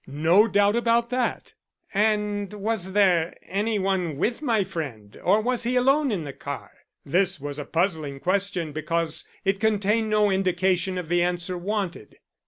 No doubt about that." "And was there anyone with my friend or was he alone in the car?" This was a puzzling question, because it contained no indication of the answer wanted.